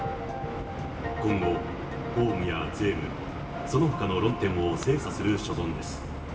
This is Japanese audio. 今後、法務や税務、そのほかの論点を精査する所存です。